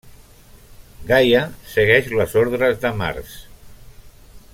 Gaia segueix les ordres de Mars.